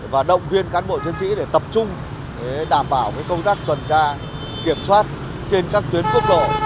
và động viên cán bộ chiến sĩ để tập trung đảm bảo công tác tuần tra kiểm soát trên các tuyến quốc lộ